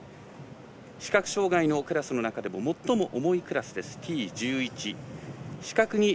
視覚障がいのクラスの中でも最も重いクラスです、Ｔ１１。